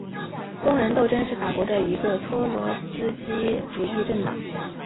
工人斗争是法国的一个托洛茨基主义政党。